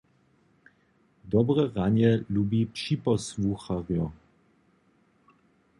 Dobre ranje lubi připosłucharjo.